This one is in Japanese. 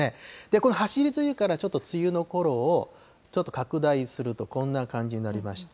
このはしり梅雨からちょっと梅雨のころをちょっと拡大するとこんな感じになりまして。